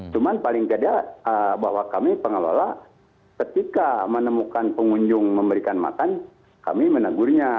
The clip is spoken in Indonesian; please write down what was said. cuman paling tidak bahwa kami pengelola ketika menemukan pengunjung memberikan makan kami menegurnya